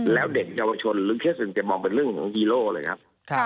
แล้วเด็กเยาวชนหรือเคสหนึ่งจะมองเป็นเรื่องของฮีโร่เลยครับ